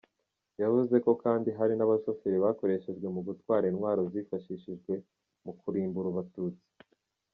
Yavuze ko kandi hari n’abashoferi bakoreshejwe mu gutwara intwaro zifahishijwe mu kurimbura abatutsi.